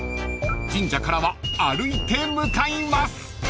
［神社からは歩いて向かいます］